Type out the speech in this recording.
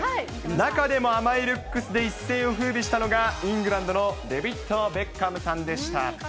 中でも甘いルックスで一世をふうびしたのが、イングランドのデビッド・ベッカムさんでした。